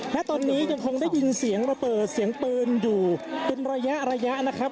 ณตอนนี้ยังคงได้ยินเสียงระเบิดเสียงปืนอยู่เป็นระยะระยะนะครับ